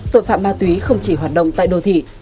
tội phạm ma túy không chỉ hoạt động tại đô thị